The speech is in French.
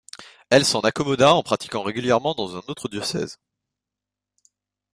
Elle s'en accommoda en pratiquant régulièrement dans un autre diocèse.